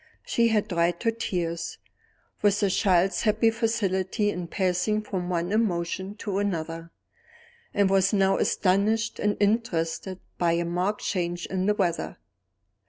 She had dried her tears, with a child's happy facility in passing from one emotion to another, and was now astonished and interested by a marked change in the weather.